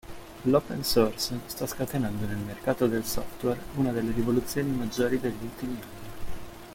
L'open source sta scatenando nel mercato del software una delle rivoluzioni maggiori degli ultimi anni.